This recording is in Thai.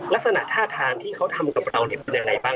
ลักษณะท่าทางที่เขาทำกับเรามีปัญญาใบไหนเวลา